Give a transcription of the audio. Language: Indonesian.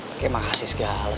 oke makasih segala segala